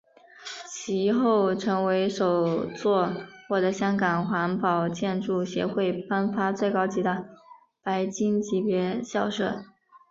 其后成为首座获得香港环保建筑协会颁发最高级的白金级别校舍。